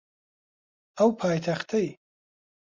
ئەو پایتەختەی